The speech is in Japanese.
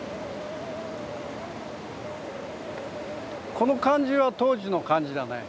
この感じは当時の感じだね